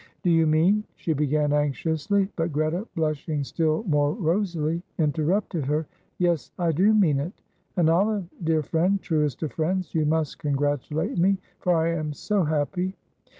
"Do you mean," she began, anxiously but Greta, blushing still more rosily, interrupted her, "Yes, I do mean it; and, Olive, dear friend, truest of friends, you must congratulate me, for I am so happy."